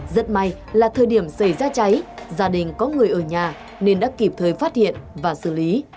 rất may là thời điểm xảy ra cháy gia đình có người ở nhà nên đã kịp thời phát hiện và xử lý